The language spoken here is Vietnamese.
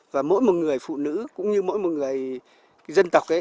và mỗi một người phụ nữ cũng như mỗi một người dân tộc ấy